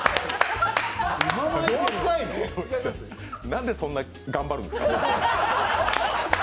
なんで、そんなに頑張るんですか？